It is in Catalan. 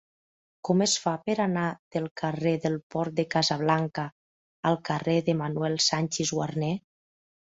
Com es fa per anar del carrer del Port de Casablanca al carrer de Manuel Sanchis Guarner?